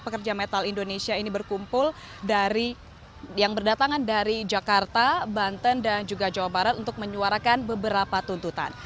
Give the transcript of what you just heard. pekerja metal indonesia ini berkumpul yang berdatangan dari jakarta banten dan juga jawa barat untuk menyuarakan beberapa tuntutan